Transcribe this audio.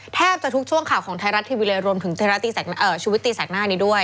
แทบจะทุกช่วงข่าวของไทยรัฐทีวีเลยรวมถึงชุวิตตีแสกหน้านี้ด้วย